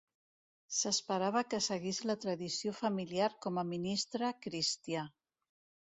S'esperava que seguís la tradició familiar com a ministre cristià.